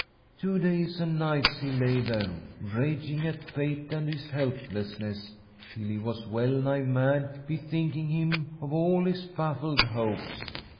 "Two days and nights he lay there, raging at fate and at his helplessness, till he was well nigh mad, bethinking him of all his baffled hopes.